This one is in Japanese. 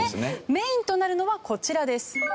メインとなるのはこちらです。